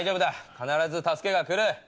必ず助けが来る。